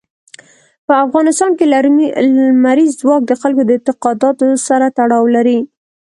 په افغانستان کې لمریز ځواک د خلکو د اعتقاداتو سره تړاو لري.